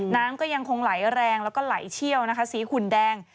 น้ำก็ยังคงไหลแรงแล้วก็ไหลเชี่ยวนะคะสีขุนแดง